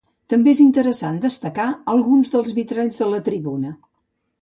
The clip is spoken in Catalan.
També és interessant destacar alguns dels vitralls de la tribuna.